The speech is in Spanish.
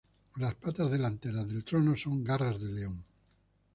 Las patas delanteras del trono son garras de león.